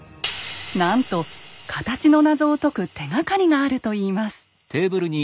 なんとカタチの謎を解く手がかりがあるといいます。